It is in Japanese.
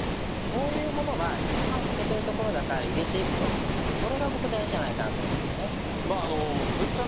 こういうものは一番欠けているところだから入れていくというこれが大事だなと思います。